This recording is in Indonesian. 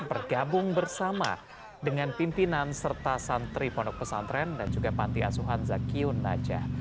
bergabung bersama dengan pimpinan serta santri pondok pesantren dan juga panti asuhan zakiun najah